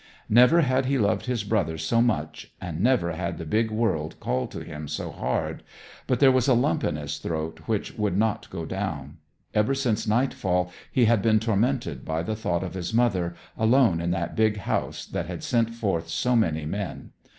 Never had he loved his brother so much, and never had the big world called to him so hard. But there was a lump in his throat which would not go down. Ever since nightfall he had been tormented by the thought of his mother, alone in that big house that had sent forth so many men.